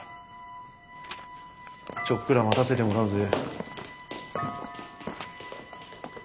ちょっくら待たせてもらうぜ。